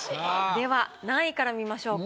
では何位から見ましょうか？